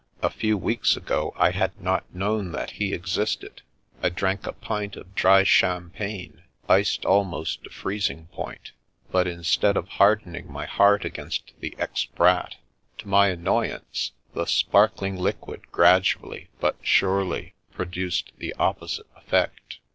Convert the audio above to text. A few weeks ago I had not known that he existed. I drank a pint of dry champagne, iced almost to freezing point ; but instead of harden ing my heart against the ex Brat, to my annoyance the sparkling liquid gradually but surely produced the opposite effect.